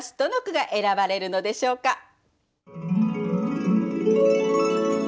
どの句が選ばれるのでしょうか。